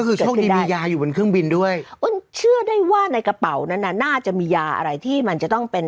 ก็คือโชคดีมียาอยู่บนเครื่องบินด้วยอ้นเชื่อได้ว่าในกระเป๋านั้นน่ะน่าจะมียาอะไรที่มันจะต้องเป็น